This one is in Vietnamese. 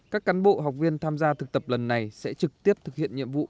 các cán bộ học viên tham gia thực tập lần này sẽ trực tiếp thực hiện nhiệm vụ